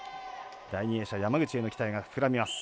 第２泳者、山口への期待が膨らみます。